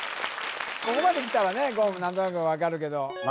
ここまできたらね言も何となく分かるけどま